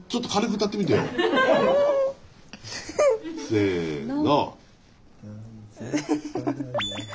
せの。